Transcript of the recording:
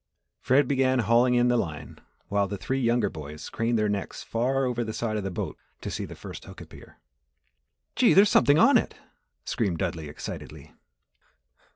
Fred began hauling in the line while the three younger boys craned their necks far over the side of the boat to see the first hook appear. "Gee! There's somethin' on it!" screamed Dudley, excitedly.